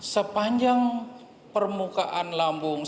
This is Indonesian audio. sepanjang permukaan lambung